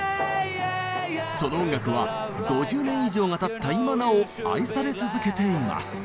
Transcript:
その音楽は５０年以上がたった今なお愛され続けています。